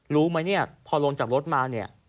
รู้ไหมเนี่ยพอลงจากรถมาเนี่ย